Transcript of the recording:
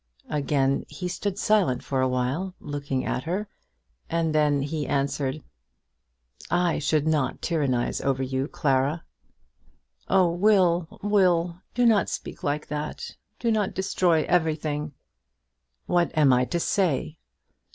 Again he stood silent for awhile, looking at her, and then he answered: "I should not tyrannise over you, Clara." "Oh, Will, Will, do not speak like that. Do not destroy everything." "What am I to say?"